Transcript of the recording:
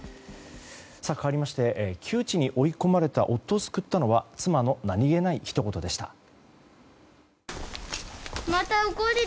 かわりまして窮地に追い込まれた夫を救ったのは妻の何気ないひと言でした。